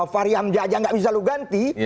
varian dia aja gak bisa lu ganti